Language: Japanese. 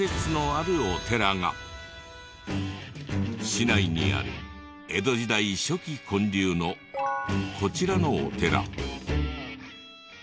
市内にある江戸時代初期建立のこちらのお寺。